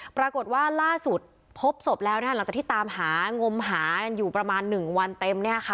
ปรากฏว่าล่าสุดพบศพแล้วหลังจากที่ตามหางมหากันอยู่ประมาณ๑วันเต็ม